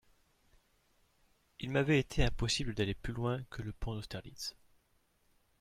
Il m'avait ete impossible d'aller plus loin que le pont d'Austerlitz.